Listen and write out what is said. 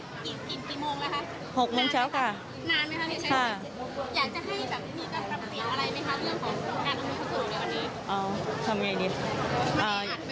มันมีอาจเป็นไหมคะถือว่าร้อนไหมคะ